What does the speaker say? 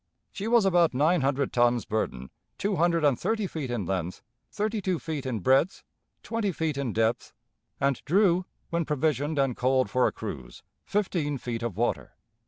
... She was about nine hundred tons burden, two hundred and thirty feet in length, thirty two feet in breadth, twenty feet in depth, and drew, when provisioned and coaled for a cruise, fifteen feet of water.